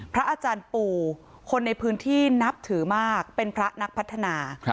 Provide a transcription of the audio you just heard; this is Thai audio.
พระอาจารย์ปูคนในพื้นที่นับถือมากเป็นพระนักพัฒนา